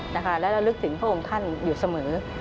และระลึกถึงพระองค์ท่านอยู่เสมอ